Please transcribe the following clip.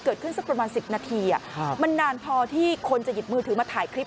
เกิดขึ้นสักประมาณสิบนาทีอะครับมันนานพอที่คนจะหยิบมือถือมาถ่ายคลิป